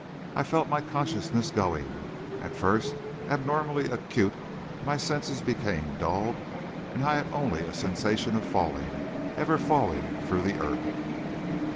I felt my consciousness going, at first, abnormally acute, my senses became dulled, and I had only a sensation of falling ever falling through the earth!